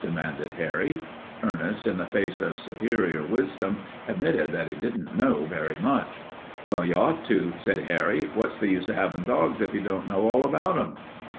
demanded Harry. Ernest, in the face of superior wisdom, admitted that he didn't know very much. "Well, you ought to," said Harry. "What's the use of having dogs if you don't know all about them?"